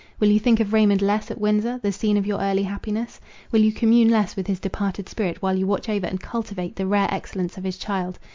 Will you think of Raymond less at Windsor, the scene of your early happiness? Will you commune less with his departed spirit, while you watch over and cultivate the rare excellence of his child?